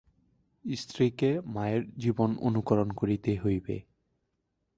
স্ত্রীকে মায়ের জীবন অনুকরণ করিতে হইবে।